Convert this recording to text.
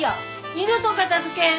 二度と片づけん！